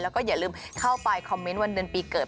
แล้วก็อย่าลืมเข้าไปคอมเมนต์วันเดือนปีเกิด